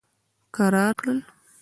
کرار کړ.